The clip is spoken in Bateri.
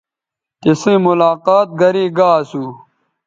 تِسئیں ملاقات گرے گا اسو